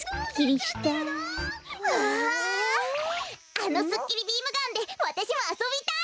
あのすっきりビームガンでわたしもあそびたい！